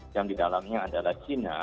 yang di dalamnya adalah china